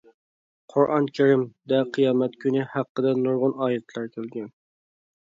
«قۇرئان كەرىم» دە قىيامەت كۈنى ھەققىدە نۇرغۇن ئايەتلەر كەلگەن.